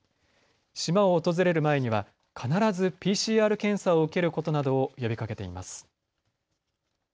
島を訪れる前には必ずＰＣＲ検査を受けることなどを呼びかけています。